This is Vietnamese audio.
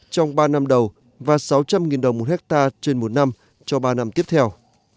trong ba năm đầu và sáu trăm linh đồng một hectare trên một năm cho ba năm tiếp theo